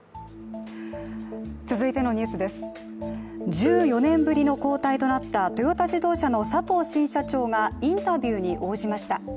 １４年ぶりの交代となったトヨタ自動車の佐藤新社長がインタビューに応じました。